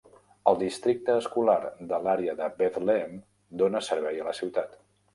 El districte escolar de l'àrea de Bethlehem dóna servei a la ciutat.